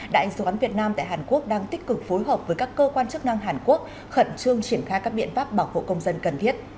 đại sứ quán việt nam tại hàn quốc đang tích cực phối hợp với các cơ quan chức năng hàn quốc khẩn trương triển khai các biện pháp bảo hộ công dân cần thiết